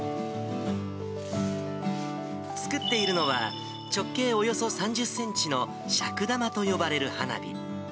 作っているのは、直径およそ３０センチの尺玉と呼ばれる花火。